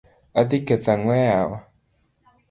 Adhi ketho ang'o yawa.